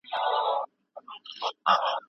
پس انداز یوازې د پرمختګ بشپړ معیار نه دی.